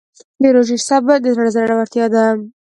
د روژې صبر د زړه زړورتیا ده.